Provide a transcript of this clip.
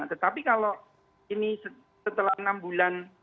tetapi kalau ini setelah enam bulan